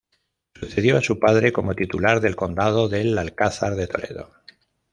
Sucedió a su padre como titular del condado del Alcázar de Toledo.